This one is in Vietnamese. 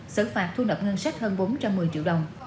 xử phạt thu nộp ngân sách hơn bốn trăm một mươi triệu đồng